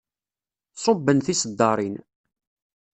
Ṣubben tiseddaṛin.